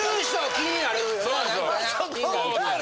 気になる気になる。